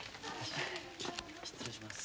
失礼します。